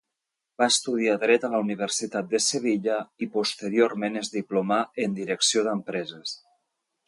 Va estudiar dret a la Universitat de Sevilla i posteriorment es diplomà en Direcció d'Empreses.